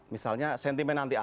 misalnya sentimen anti asing kan